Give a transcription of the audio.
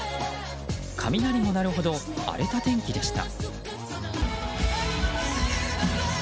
雷も鳴るほど荒れた天気でした。